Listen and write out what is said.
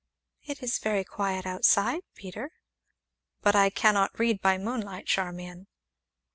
"It is very quiet outside, Peter." "But I cannot read by moonlight, Charmian."